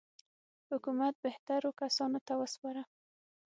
حکومت بهترو کسانو ته وسپارو.